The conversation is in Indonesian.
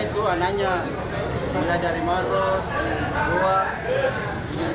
itu warnanya mulai dari maros goa gintana